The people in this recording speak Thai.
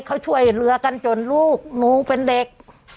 เขาช่วยเรือกันจนลูกหนูเป็นเด็ก